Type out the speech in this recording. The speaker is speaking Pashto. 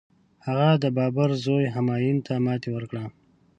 هغه د بابر زوی همایون ته ماتي ورکړه.